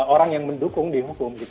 orang yang mendukung dihukum